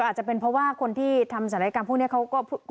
อาจจะเป็นเพราะว่าคนที่ทำศัลยกรรมพวกนี้เขาก็